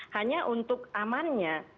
hanya untuk amannya